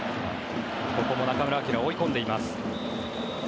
ここも中村晃追い込んでいます。